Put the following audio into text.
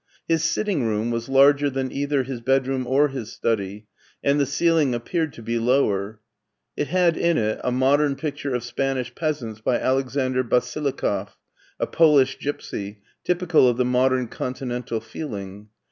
His sitting room was larger than either his bedroom or his study, and the ceiling appeared to be lower. It had in it a modern picture of Spanish peasants by Alexander Basilikoff, a Polish gipsy, typi cal of the modem continental feeling.